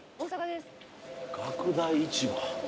学大市場。